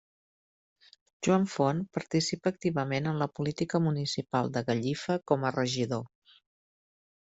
Joan Font participa activament en la política municipal de Gallifa com a regidor.